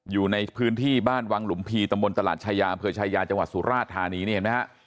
อยู่ในพื้นที่บ้านวังหลุมพีตำบลตลาดชายาอำเภอชายาจังหวัดสุราชธานีนี่เห็นไหมฮะ